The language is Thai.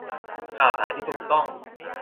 ข่าวสารที่ถูกต้อง